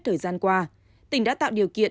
thời gian qua tỉnh đã tạo điều kiện